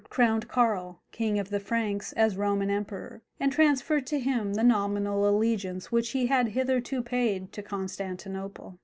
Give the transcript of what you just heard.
crowned Karl, King of the Franks, as Roman Emperor, and transferred to him the nominal allegiance which he had hitherto paid to Constantinople.